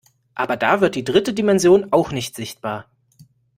Aber da wird die dritte Dimension auch nicht sichtbar.